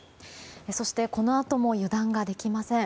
そして、このあとも油断ができません。